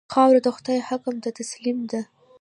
خاوره د خدای حکم ته تسلیم ده.